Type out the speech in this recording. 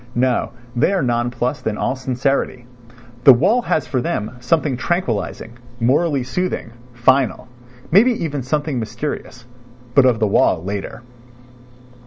No, they are nonplussed in all sincerity. The wall has for them something tranquillising, morally soothing, final—maybe even something mysterious ... but of the wall later.)